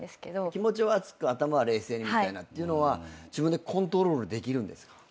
気持ちは熱く頭は冷静にみたいなっていうのは自分でコントロールできるんですか？